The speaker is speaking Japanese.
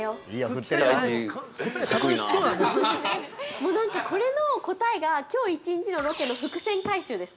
◆もうなんかこれの答えが、きょう１日のロケの伏線回収です。